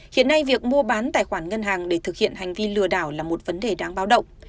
hiện nay việc mua bán tài khoản ngân hàng để thực hiện hành vi lừa đảo là một vấn đề đáng báo động